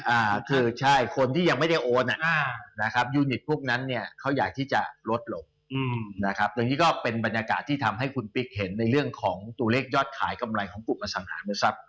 อ่าคือใช่คนที่ยังไม่ได้โอนอ่ะอ่านะครับยูนิตพวกนั้นเนี่ยเขาอยากที่จะลดลงอืมนะครับตรงนี้ก็เป็นบรรยากาศที่ทำให้คุณปิ๊กเห็นในเรื่องของตัวเลขยอดขายกำไรของกลุ่มอสังหารนะครับ